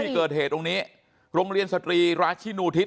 ที่เกิดเหตุตรงนี้โรงเรียนสตรีราชินูทิศ